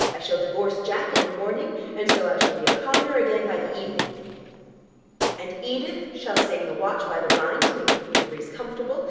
I shall divorce Jack in the morning, and so I shall be a commoner again by the evening. And Edith shall sing the 'Watch by the Rhine,' to make the Queen of Greece comfortable.